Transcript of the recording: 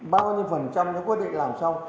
bao nhiêu phần trăm nó quyết định làm xong